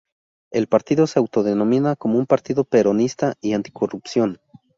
El partido se autodenomina como un partido peronista y anticorrupción.